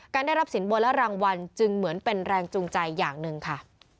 ได้รับสินบนและรางวัลจึงเหมือนเป็นแรงจูงใจอย่างหนึ่งค่ะ